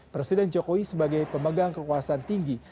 presiden jokowi sebagai pemegang kekuasaan tinggi